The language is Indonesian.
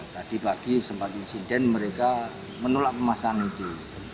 tadi pagi sempat insiden mereka menolak pemasangan itu